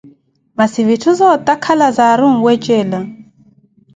Masi vitthu zootakhala zaari onwecela.